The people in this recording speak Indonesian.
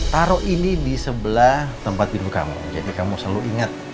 taruh ini di sebelah tempat tidur kamu jadi kamu selalu ingat